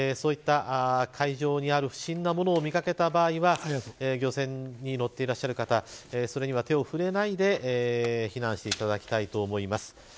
海上に不審な物を見掛けた場合は漁船に乗っていらっしゃる方それには手を触れないで避難していただきたいと思います。